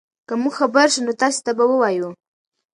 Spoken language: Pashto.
که موږ خبر شو نو تاسي ته به ووایو.